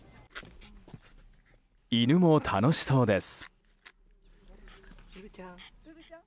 犬も楽しそうです。